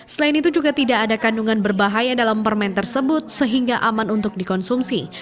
selain itu juga tidak ada kandungan berbahaya dalam permen tersebut sehingga aman untuk dikonsumsi